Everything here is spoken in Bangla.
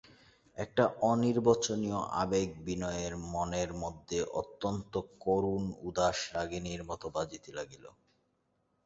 একটা অনির্বচনীয় আবেগ বিনয়ের মনের মধ্যে অত্যন্ত করুণ উদাস রাগিণীর মতো বাজিতে লাগিল।